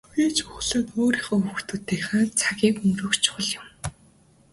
Хамгийн чухал нь өөрийнхөө хүүхдүүдтэйгээ цагийг өнгөрөөх нь чухал юм.